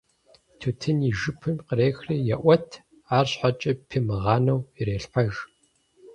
Тутын и жыпым кърехри еӀуэт, арщхьэкӀэ пимыгъанэу ирелъхьэж.